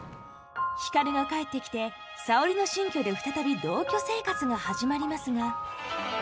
光が帰ってきて沙織の新居で再び同居生活が始まりますが。